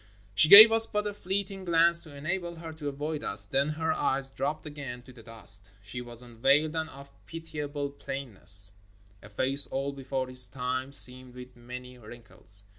She gave us but a fleeting glance to enable her to avoid us, then her eyes dropped again to the dust. She was unveiled and of pitiable plainness; a face old before its time, seamed with many wrinkles.